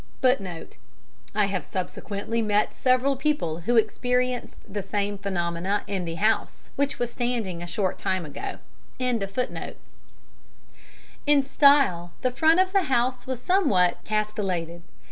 [Footnote 1: I have subsequently met several people who experienced the same phenomena in the house, which was standing a short time ago.] "In style the front of the house was somewhat castellated.